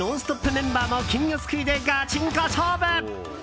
メンバーも金魚すくいでガチンコ勝負。